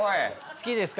好きですか？